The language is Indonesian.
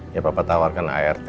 ya papa tawarkan art